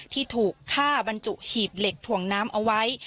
ที่ถูกฆ่าบรรจุหีบเหล็กถ่วงน้ำเอาไว้